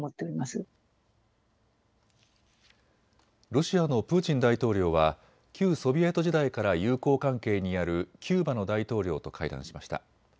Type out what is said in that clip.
ロシアのプーチン大統領は旧ソビエト時代から友好関係にあるキューバの大統領と会談しました。